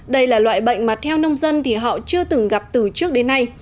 đây là loại bệnh mà theo nông dân thì họ chưa từng gặp từ trước đến nay